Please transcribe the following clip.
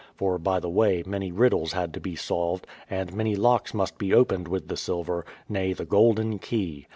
For, by the way, many riddles had to be solved, and many locks must be opened with the silver, nay, the golden key!